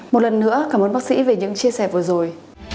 một lần nữa cảm ơn bác sĩ về những chia sẻ vừa rồi